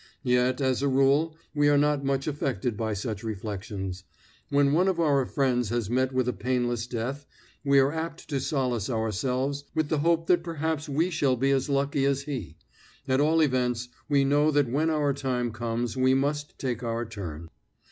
Yet, as a rule, we are not much affected by such reflections. When one of our friends has met with a painless death we are apt to solace ourselves with the hope that perhaps we shall be as lucky as he; at all events, we know that when our time comes we must take our turn.